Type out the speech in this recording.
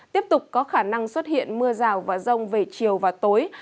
tiếp tục có khả năng xuất hiện mưa rào và rông về chiều và tối